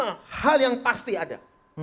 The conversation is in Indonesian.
ada lima hal yang pasti ada